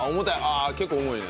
あ結構重いね。